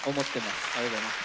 ありがとうございます。